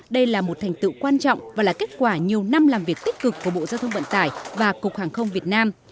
đây là một thành tựu quan trọng và là kết quả nhiều năm làm việc tích cực của bộ giao thông vận tải và cục hàng không việt nam